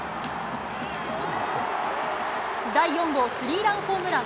第４号スリーランホームラン。